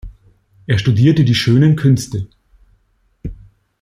Er studierte die schönen Künste.